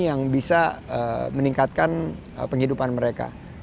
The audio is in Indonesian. yang bisa meningkatkan penghidupan mereka